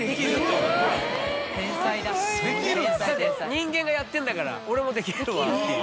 人間がやってんだから俺もできるわっていう。